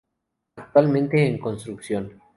Actualmente en construcción.